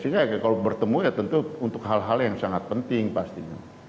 karena kalau bertemu ya tentu untuk hal hal yang sangat penting pastinya